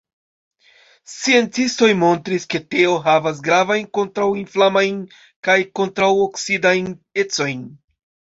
Sciencistoj montris, ke teo havas gravajn kontraŭinflamajn kaj kontraŭoksidajn ecojn.